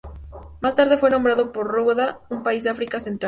Más tarde fue nombrado por Ruanda, un país de África Central.